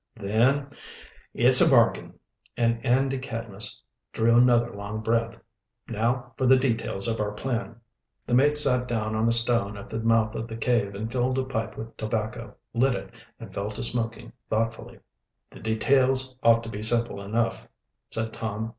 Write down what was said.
"Then it's a bargain," and Andy Cadmus drew another long breath. "Now for the details of our plan." The mate sat down on a stone at the mouth of the cave and filled a pipe with tobacco, lit it, and fell to smoking thoughtfully. "The details ought to be simple enough," said Tom.